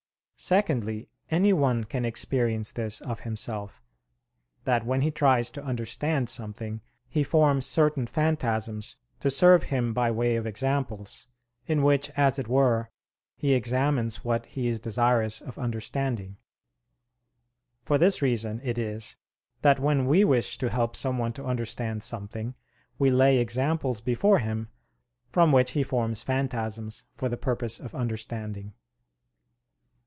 Secondly, anyone can experience this of himself, that when he tries to understand something, he forms certain phantasms to serve him by way of examples, in which as it were he examines what he is desirous of understanding. For this reason it is that when we wish to help someone to understand something, we lay examples before him, from which he forms phantasms for the purpose of understanding.